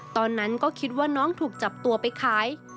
ตอนนั้นก็คิดว่าน้องถูกจับตัวไปขาย